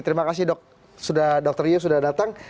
terima kasih dok sudah dr riu sudah datang